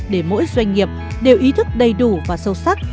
để mỗi doanh nghiệp đều ý thức đầy đủ và sâu sắc